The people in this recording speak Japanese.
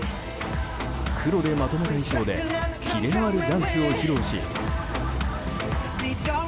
黒でまとめた衣装でキレのあるダンスを披露し。